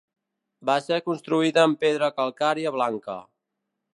Va ser construïda amb pedra calcària blanca.